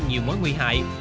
nhiều mối nguy hại